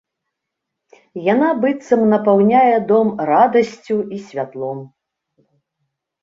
Яна быццам напаўняе дом радасцю і святлом.